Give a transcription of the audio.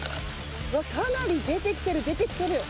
かなり出てきてる、出てきてる。